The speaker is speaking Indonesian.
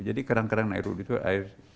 jadi kadang kadang air wuduk itu air